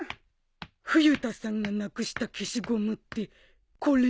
冬田さんがなくした消しゴムってこれ？